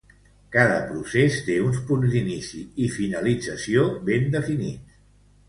Cada procés té uns punts d'inici i finalització ben definits.